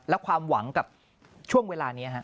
และความหวังกับช่วงเวลานี้ฮะ